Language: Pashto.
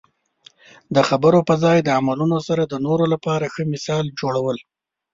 د خبرو په ځای د عملونو سره د نورو لپاره ښه مثال جوړول.